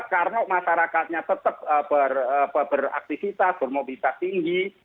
karena masyarakatnya tetap beraktivitas bermobilitas tinggi